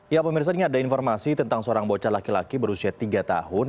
ya pemirsa ini ada informasi tentang seorang bocah laki laki berusia tiga tahun